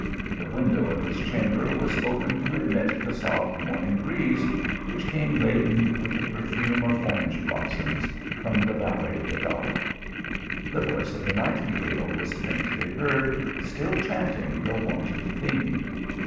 The window of his cham ber was open to admit the soft morning breeze which came laden with the perfume of orange blossoms from the valley of the Darro. The voice of the nightingale was faintly heard, still chanting the wonted theme.